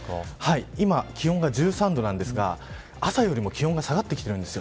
今気温が１３度なんですが朝よりも気温が下がってきてるんです。